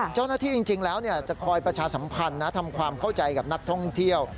จริงแล้วจะคอยประชาสัมพันธ์ทำความเข้าใจกับนักท่องเที่ยว